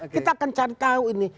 kita akan cangkau ini